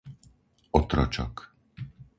Otročok